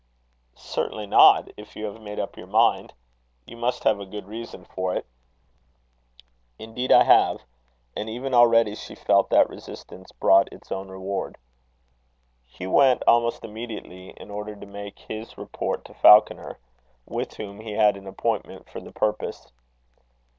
"Certainly not, if you have made up your mind. You must have a good reason for it." "Indeed I have." And even already she felt that resistance brought its own reward. Hugh went almost immediately, in order to make his report to Falconer, with whom he had an appointment for the purpose.